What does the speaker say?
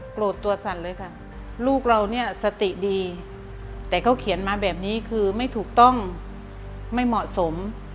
โกรธตัวสั่นเลยค่ะลูกเราเนี่ยสติดีแต่เขาเขียนมาแบบนี้คือไม่ถูกต้องไม่เหมาะสม